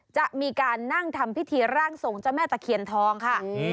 จะมีการนั่งทำพิธีร่างทรงเจ้าแม่ตะเคียนทองค่ะ